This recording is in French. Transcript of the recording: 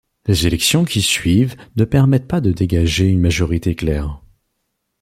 Les élections qui suivent ne permettent pas de dégager une majorité claire.